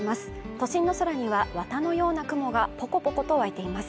都心の空には綿のような雲がポコポコと湧いています